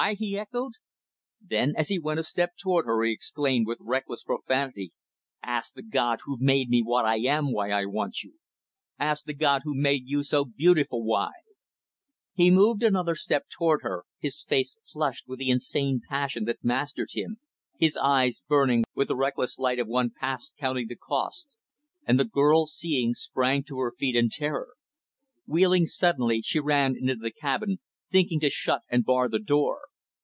he echoed. Then, as he went a step toward her, he exclaimed, with reckless profanity, "Ask the God who made me what I am, why I want you! Ask the God who made you so beautiful, why!" He moved another step toward her, his face flushed with the insane passion that mastered him, his eyes burning with the reckless light of one past counting the cost; and the girl, seeing, sprang to her feet, in terror. Wheeling suddenly, she ran into the cabin, thinking to shut and bar the door.